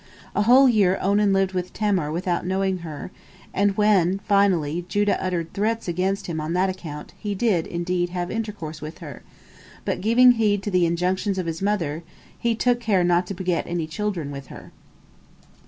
A whole year Onan lived with Tamar without knowing her, and when, finally, Judah uttered threats against him on that account, he did, indeed, have intercourse with her, but, giving heed to the injunctions of his mother, he took care not to beget any children with her.